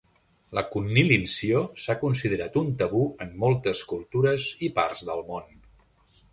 La cunnilinció s'ha considerat un tabú en moltes cultures i parts del món.